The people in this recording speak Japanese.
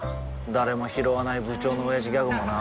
誰もひろわない部長のオヤジギャグもな